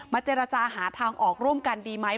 เจรจาหาทางออกร่วมกันดีไหม